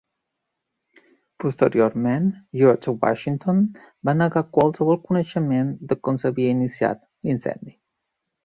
Posteriorment, George Washington va negar qualsevol coneixement de com s'havia iniciat l'incendi.